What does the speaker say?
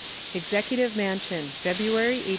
EXECUTIVE MANSION, February, 1876.